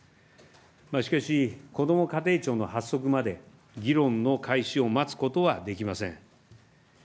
しかし、こども家庭庁の発足まで、議論の開始を待つことはできません。